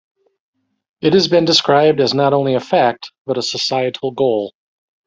It has been described as not only a fact but a societal goal.